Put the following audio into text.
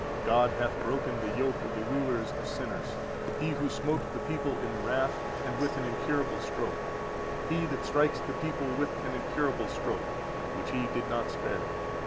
God hath broken the yoke of the rulers of sinners, He who smote the people in wrath, and with an incurable stroke: He that strikes the people with an incurable stroke, which He did not spare.